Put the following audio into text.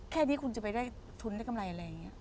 แค่นี้คุณจะไปได้ทุนได้กำไรอะไรอย่างนี้